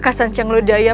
masuklah ke dalam